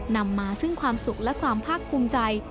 นำมาซึ่งความสุขและความภาคภูมิใจ